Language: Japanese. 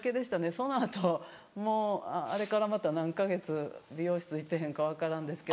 その後もうあれからまた何か月美容室行ってへんか分からんですけど。